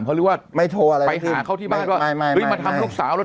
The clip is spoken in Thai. เขาหรือว่าไม่โทรอะไรไปหาเขาที่บ้านไม่ไม่ไม่มาทำลูกสาว